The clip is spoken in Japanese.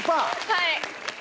はい。